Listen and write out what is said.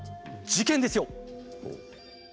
事件ですよ。